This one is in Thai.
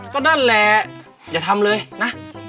ก็นั่นแหละอย่าทำเลยนะ